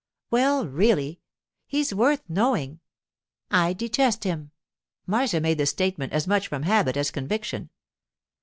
'Well, really! He's worth knowing.' 'I detest him!' Marcia made the statement as much from habit as conviction.